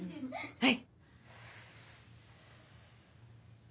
はい。